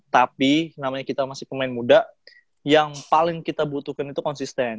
tapi namanya kita masih pemain muda yang paling kita butuhkan itu konsisten